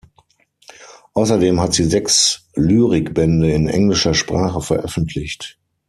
Außerdem hat sie sechs Lyrikbände in englischer Sprache veröffentlicht.